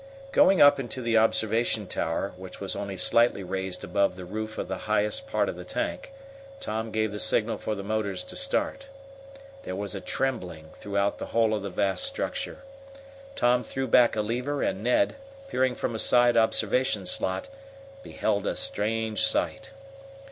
Going up into the observation tower, which was only slightly raised above the roof of the highest part of the tank, Tom gave the signal for the motors to start. There was a trembling throughout the whole of the vast structure. Tom threw back a lever and Ned, peering from a side observation slot, beheld a strange sight.